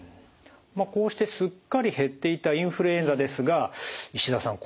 こうしてすっかり減っていたインフルエンザですが石田さん